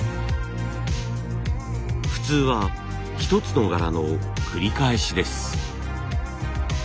普通は一つの柄の繰り返しです。